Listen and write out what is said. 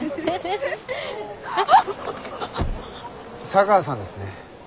茶川さんですね。